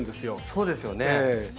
そうですよね。